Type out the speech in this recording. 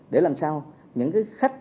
để làm sao những cái khách